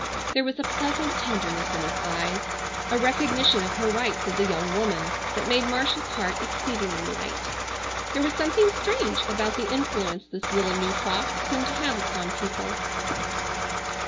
There was a pleasant tenderness in his eyes, a recognition of her rights as a young woman, that made Marcia's heart exceedingly light. There was something strange about the influence this little new frock seemed to have upon people.